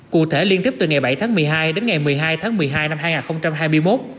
cụ thể liên tiếp từ ngày bảy tháng một mươi hai đến ngày một mươi hai tháng một mươi hai năm hai nghìn hai mươi một